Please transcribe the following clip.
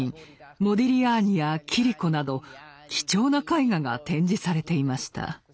モディリアーニやキリコなど貴重な絵画が展示されていました。